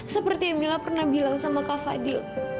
seperti yang mila pernah bilang sama kak fadil